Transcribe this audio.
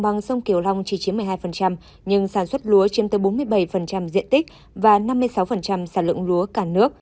nhưng sản xuất lúa chiếm tới bốn mươi bảy diện tích và năm mươi sáu sản lượng lúa cả nước